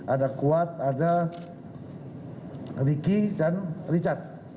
ada kuat ada riki dan richard